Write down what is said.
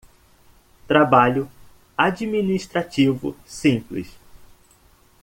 Trabalho administrativo simples